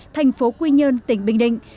thành phố quy nhơn tỉnh bình định